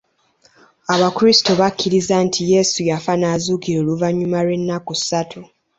Abakrisito bakkiriza nti Yesu yafa n'azuukira oluvannyuma lw'ennaku ssatu.